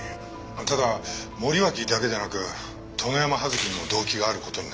ただ森脇だけでなく殿山葉月にも動機がある事になります。